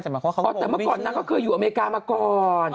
แต่เมื่อก่อนนางก็เคยอยู่อเมริกามาก่อน